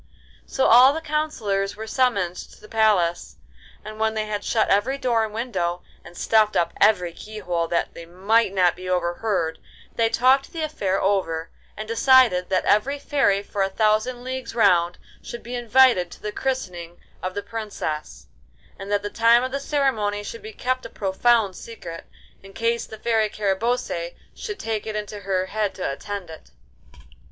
So all the counsellors were summoned to the palace, and when they had shut every door and window, and stuffed up every keyhole that they might not be overheard, they talked the affair over, and decided that every fairy for a thousand leagues round should be invited to the christening of the Princess, and that the time of the ceremony should be kept a profound secret, in case the Fairy Carabosse should take it into her head to attend it.